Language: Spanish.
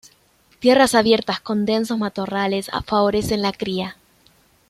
Tierras abiertas con densos matorrales favorecen la cría.